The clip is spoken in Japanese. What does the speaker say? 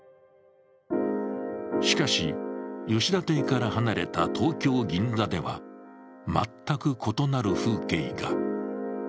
しかし、吉田邸から離れた東京・銀座では全く異なる風景が。